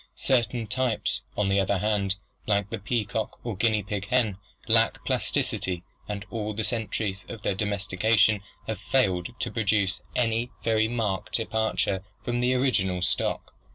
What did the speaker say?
Certain types, on the other hand, like the peacock or guinea hen, lack plasticity and all the centuries of their domestication have failed to produce any very marked departure from the original stock.